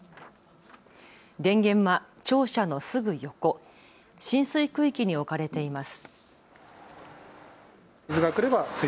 電源は庁舎のすぐ横、浸水区域に置かれています。